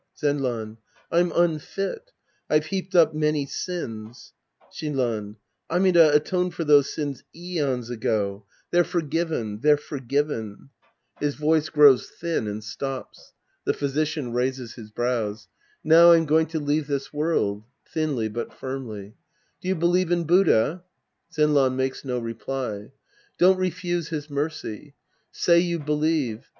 Zenran. I'm unfit. I've heaped up many sins. Shinran. Amida atoned for those sins aeons ago. They're forgiven, they're forgiven. {His voice grows &:. IV The Priest and His Disciples 245 thin and stops. The Physician raises his brews. ^ Now I'm going to leave this world. {Thinly but firmly.) Do you believe in Buddha? (Zenran makes no reply.) Don't refuse his mercy. Say you believe.